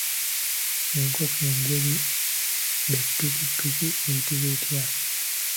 Enkoko enjeru be ttukuttuku eyitibwa etya?